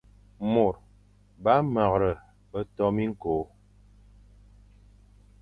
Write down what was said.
Môr ba mreghe be to miñko,